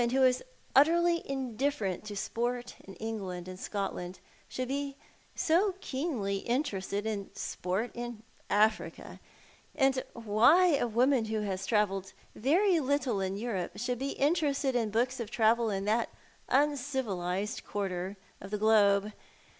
2 1 who is latterly imlifferent to sport in Englaud and Scotland shoTild be keenly interestel in sport in Africa; why a woman who has travelled very little in Europe should be interested in books of travel in that uncivilized quarter of the globe.